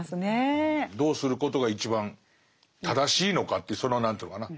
どうすることが一番正しいのかっていうその何というのかな